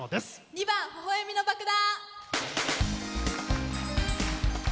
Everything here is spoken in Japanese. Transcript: ２番「微笑みの爆弾」。